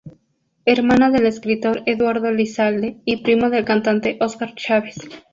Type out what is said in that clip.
Hermano del escritor Eduardo Lizalde y primo del cantante Óscar Chávez.